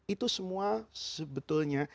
itu semua sebetulnya